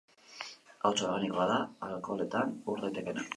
Hauts organikoa da, alkoholetan ur daitekeena.